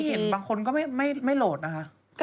แต่ที่เห็นบางคนก็ไม่โหลดนะคะ